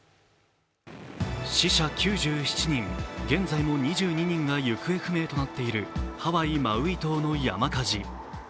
死者９７人、現在も２２人が行方不明となっているハワイ・マウイ島の山火事。